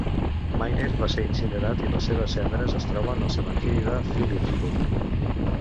Meyner va ser incinerat i les seves cendres es troben al cementiri de Phillipsburg.